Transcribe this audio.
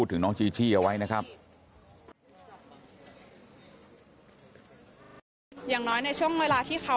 คุณพ่อของน้องจีบอกว่าที่บอกว่าพ่อของอีกคิวมาร่วมแสดงความอารัยในงานสวดศพของน้องจีด้วยคุณพ่อก็ไม่ทันเห็นนะครับ